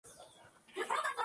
Se elabora a base de espelta.